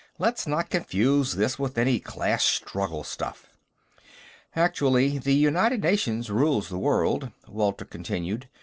"Let's not confuse this with any class struggle stuff." "Actually, the United Nations rules the world," Walter continued.